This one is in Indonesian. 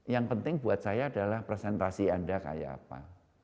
yang penting buat saya adalah presentasi anda kayak apa